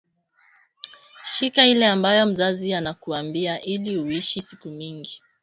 Shika ile ambayo mzazi anakuambia ili uishi siku mingi